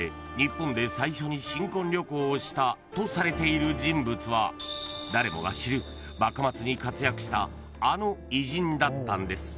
［をしたとされている人物は誰もが知る幕末に活躍したあの偉人だったんです］